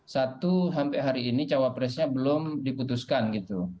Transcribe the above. satu sampai hari ini cawapresnya belum diputuskan gitu